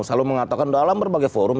selalu mengatakan dalam berbagai forum